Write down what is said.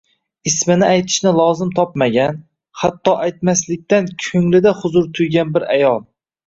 Ismini aytishni lozim topmagan, hatto aytmasliqdan ko'nglida huzur tuygan bir ayol.